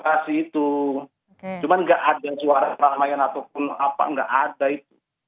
cuman enggak ada suara ramayan ataupun apa enggak ada itu